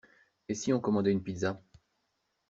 Et si on commandait une pizza?